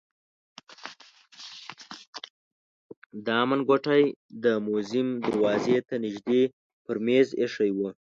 دا منګوټی د موزیم دروازې ته نژدې پر مېز ایښی و.